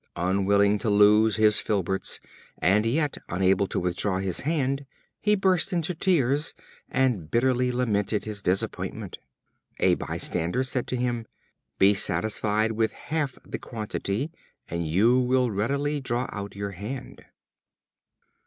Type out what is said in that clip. Unwilling to lose his filberts, and yet unable to withdraw his hand, he burst into tears, and bitterly lamented his disappointment. A bystander said to him: "Be satisfied with half the quantity, and you will readily draw out your hand."